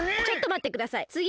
ちょっとまってください！